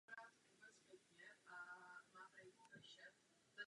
Byl druhým prezidentem zemské zemědělské rady.